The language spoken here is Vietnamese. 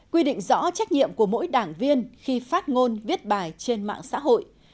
quy định rõ trách nhiệm của mỗi đảng viên khi phát ngôn viết bài trên mạng xã hội